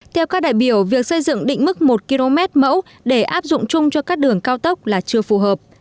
theo các đại biểu việc xây dựng định mức một km mẫu để áp dụng chung cho các đường cao tốc là chưa phù hợp